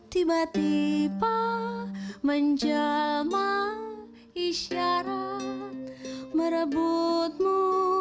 tiba tiba menjema isyarat merebutmu